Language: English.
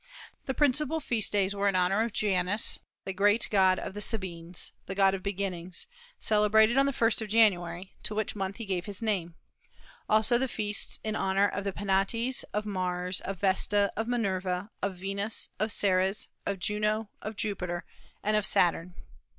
The principal feast days were in honor of Janus, the great god of the Sabines, the god of beginnings, celebrated on the first of January, to which month he gave his name; also the feasts in honor of the Penates, of Mars, of Vesta, of Minerva, of Venus, of Ceres, of Juno, of Jupiter, and of Saturn.